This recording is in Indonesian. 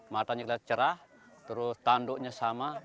matanya kelihatan cerah terus tanduknya sama